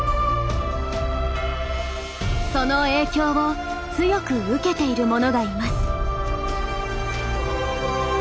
その影響を強く受けているものがいます。